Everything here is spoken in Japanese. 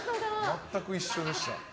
全く一緒でした。